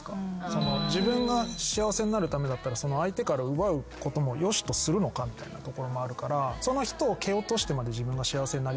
自分が幸せになるためだったら相手から奪うこともよしとするのかみたいなところもあるから。